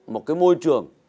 một cái môi trường